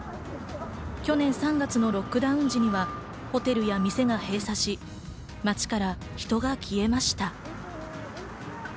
去年３月のロックダウン時にはホテルや店が閉鎖し、街から人が消えました。